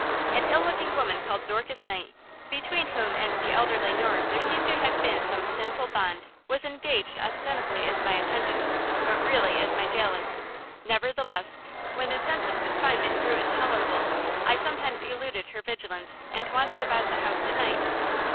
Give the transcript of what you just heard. An ill looking woman called Dorcas Knight, between whom and the elder Le Noir there seemed to have been some sinful bond was engaged ostensibly as my attendant, but really as my jailer. Nevertheless, when the sense of confinement grew intolerable I sometimes eluded her vigilance and wandered about the house at night."